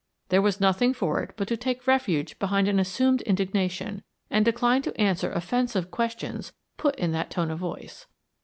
There was nothing for it but to take refuge behind an assumed indignation, and decline to answer offensive questions put in that tone of voice.